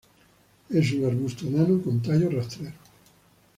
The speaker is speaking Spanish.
Es un arbusto enano con tallos rastreros.